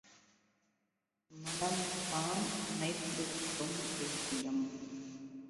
மனம்தான் அனைத்துக்கும் இருப்பிடம்.